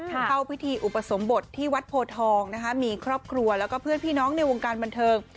เข้าพิธีอุปสมบทที่วัดโพทองนะคะมีครอบครัวแล้วก็เพื่อนพี่น้องในวงการบันเทิง